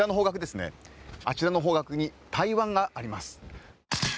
あちらの方角に台湾があります。